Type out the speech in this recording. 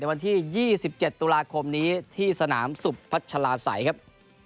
วันที่๒๗ตุลาคมนี้ที่สนามสุพัชลาศัยครับ